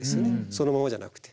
そのままじゃなくて。